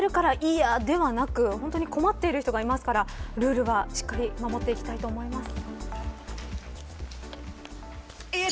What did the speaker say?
いやではなく困っている人がいますからルールはしっかり守っていきたいと思います。